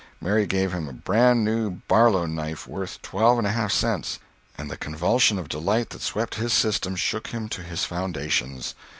Mary gave him a brand new "Barlow" knife worth twelve and a half cents; and the convulsion of delight that swept his system shook him to his foundations.